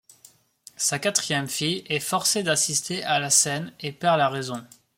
Sa quatrième fille est forcée d'assister à la scène et perd la raison.